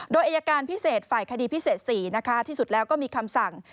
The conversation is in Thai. โดยอายการพิเศษฝ่ายคดีพิเศษ๔นะคะที่สุดแล้วก็มีคำสั่ง